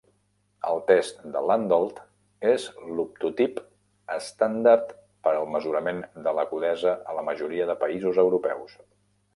El Test de Landolt és l'optotip estàndard per al mesurament de l'agudesa a la majoria de països europeus.